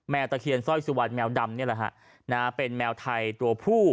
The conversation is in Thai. ตะเคียนสร้อยสุวรรณแมวดำนี่แหละฮะเป็นแมวไทยตัวผู้